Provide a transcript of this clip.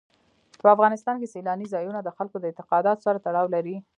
په افغانستان کې سیلانی ځایونه د خلکو د اعتقاداتو سره تړاو لري.